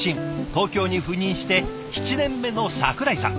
東京に赴任して７年目の桜井さん。